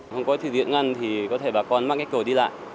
không có thủy điện ngăn thì có thể bà con mắc cái cửa đi lại